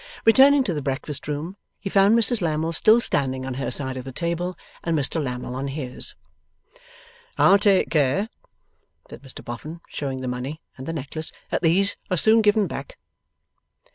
Returning to the breakfast room, he found Mrs Lammle still standing on her side of the table, and Mr Lammle on his. 'I'll take care,' said Mr Boffin, showing the money and the necklace, 'that these are soon given back.